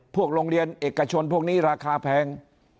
พวกโรงเรียนเอกชนพวกนี้ราคาแพง